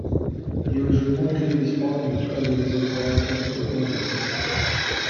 He was reportedly despondent over his advanced physical illness.